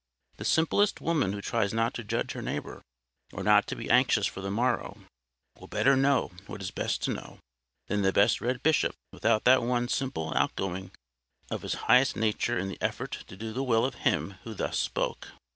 The simplest woman who tries not to judge her neighbour, or not to be anxious for the morrow, will better know what is best to know, than the best read bishop without that one simple outgoing of his highest nature in the effort to do the will of Him who thus spoke.